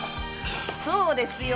そうですよ。